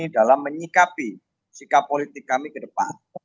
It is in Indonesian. dalam menyikapi sikap politik kami ke depan